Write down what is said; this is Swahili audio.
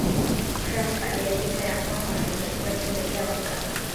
Krapf aliandika ya kwamba aliwahi kuwatembela Wakamba